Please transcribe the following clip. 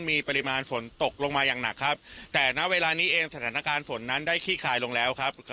มีปริมาณฝนตกลงมาอย่างหนักครับแต่ณเวลานี้เองสถานการณ์ฝนนั้นได้ขี้คายลงแล้วครับ